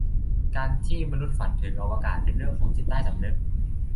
การที่มนุษย์ฝันถึงอวกาศ เป็นเรื่องของจิตใต้สำนึก